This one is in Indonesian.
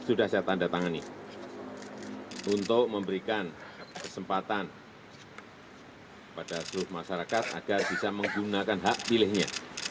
untuk memberikan kesempatan pada seluruh masyarakat agar bisa menggunakan hak pilihnya